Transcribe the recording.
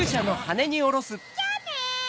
じゃあね！